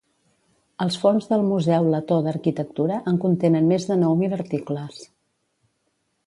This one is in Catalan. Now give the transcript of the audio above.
Els fons del Museu Letó d'Arquitectura en contenen més de nou mil articles.